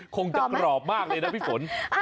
คงจะกรอบมากเลยนะพี่ฝน